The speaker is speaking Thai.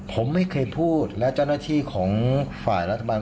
ผมไม่เคยพูดและเจ้าหน้าที่ของฝ่ายรัฐบาล